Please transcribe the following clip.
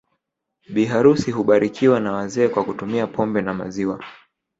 Bi harusi hubarikiwa na wazee kwa kutumia pombe na maziwa